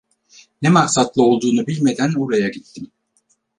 Ne maksatla olduğunu bilmeden oraya gittim.